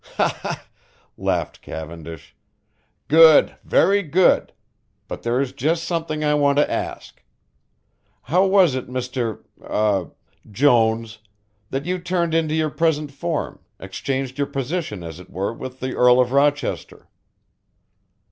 "Ha, ha," laughed Cavendish. "Good, very good, but there is just something I want to ask. How was it, Mr. er Jones, that you turned into your present form, exchanged your position as it were with the Earl of Rochester?"